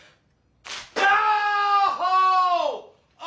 あ！